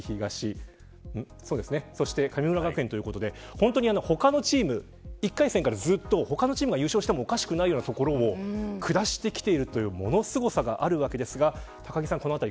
本当に他のチーム１回戦からずっと他のチームが優勝してもおかしくないようなところを下してきているというものすごさがあるわけですが高木さん